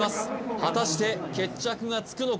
果たして決着がつくのか？